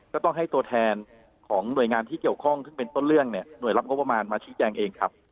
ก็ต้องให้ตัวแทนของหน่วยงานที่เกี่ยวข้องซึ่งเป็นต้นเรื่องเนี่ยหน่วยรับงบประมาณมาชี้แจงเองครับ